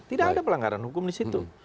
tidak ada pelanggaran hukum di situ